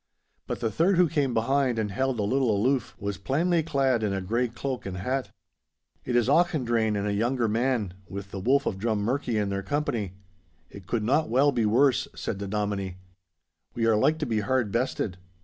But the third, who came behind and held a little aloof, was plainly clad in a grey cloak and hat. 'It is Auchendrayne and a younger man, with the Wolf of Drummurchie in their company; it could not well be worse,' said the Dominie. 'We are like to be hard bested.